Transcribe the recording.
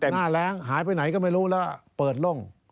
หน้าแรงหายไปไหนก็ไม่รู้แล้วเปิดล่ม